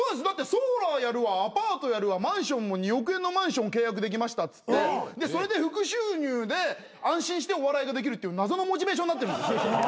だってソーラーやるわアパートやるわマンションも２億円のマンション契約できましたっつってそれで副収入で安心してお笑いができるって謎のモチベーションになってるんです。